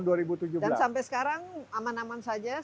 dan sampai sekarang aman aman saja